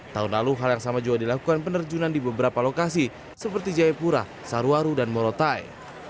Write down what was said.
tahun lalu hal yang sama juga dilakukan penerjunan di beberapa lokasi seperti jayapura sarwaru dan morotai